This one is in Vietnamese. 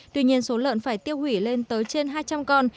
tuy nhiên số lợn phải tiêu hủy lên tới trên hai trăm linh con